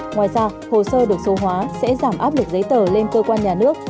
ngoài ra hồ sơ được số hóa sẽ giảm áp lực giấy tờ lên cơ quan nhà nước